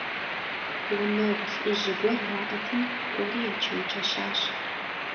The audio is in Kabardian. Гъунэгъу лӀыжь гуэр яӀэти, кӀуэри ечэнджэщащ.